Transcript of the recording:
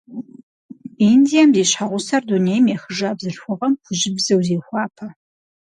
Индием зи щхьэгъусэр дунейм ехыжа бзылъхугъэм хужьыбзэу зехуапэ.